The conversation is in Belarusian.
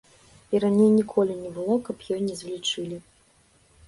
І раней ніколі не было, каб ёй не залічылі.